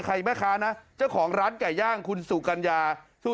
แม่ค้านะเจ้าของร้านไก่ย่างคุณสุกัญญาชู